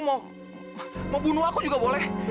mau bunuh aku juga boleh